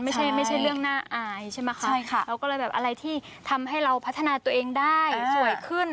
ไม่ใช่เรื่องหน้าอายใช่ไหมคะแล้วก็อะไรที่ทำให้เราพัฒนาตัวเองได้สวยขึ้น